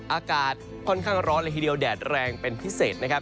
อากาศค่อนข้างร้อนเลยทีเดียวแดดแรงเป็นพิเศษนะครับ